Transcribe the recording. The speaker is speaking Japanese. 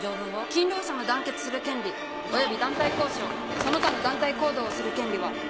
勤労者の団結する権利および団体交渉その他の団体行動をする権利はこれを保障する。